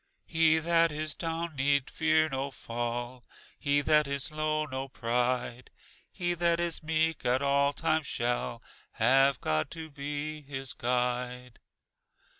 "He that is down need fear no fall, He that is low, no pride, He that is meek at all times shall Have God to be his guide."